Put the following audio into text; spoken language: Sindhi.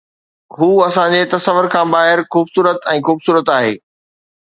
هو اسان جي تصور کان ٻاهر خوبصورت ۽ خوبصورت آهي